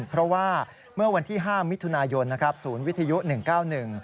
เพราะว่าเมื่อวันที่๕มิถุนายนศูนย์วิทยุ๑๙๑